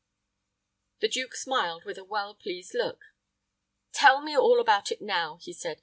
The duke smiled with a well pleased look. "Tell me all about it now," he said.